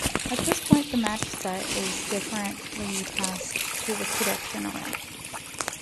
At this point the match set is differently passed to a prediction array.